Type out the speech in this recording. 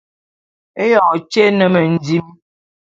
Éyoñ tyé é ne mendim.